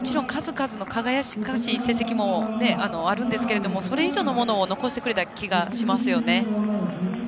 数々の輝かしい成績もあるんですけれどもそれ以上のものを残してくれた気がしますよね。